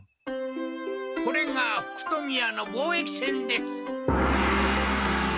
これが福富屋の貿易船です。